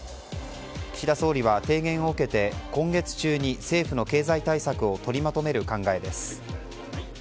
岸田総理は明言を受けて今月中に政府の経済対策を取りまとめる考えです。